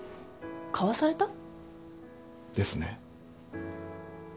買わされた？ですね？